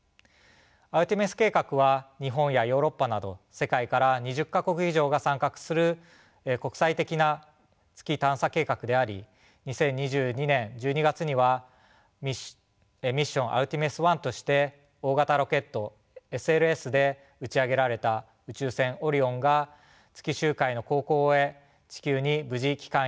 アルテミス計画は日本やヨーロッパなど世界から２０か国以上が参画する国際的な月探査計画であり２０２２年１２月にはミッション「アルテミス１」として大型ロケットＳＬＳで打ち上げられた宇宙船オリオンが月周回の航行を終え地球に無事帰還いたしました。